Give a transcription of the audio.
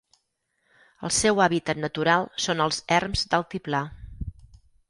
El seu hàbitat natural són els erms d'altiplà.